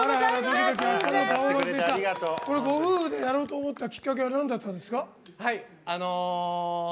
ご夫婦でやろうと思ったきっかけはなんだったんですか？